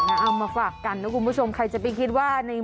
เอามาฝากกันนะคุณผู้ชมใครจะไปคิดว่าใน